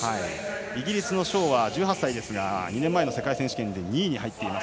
イギリスのショーは１８歳ですが２年前の世界選手権で２位です。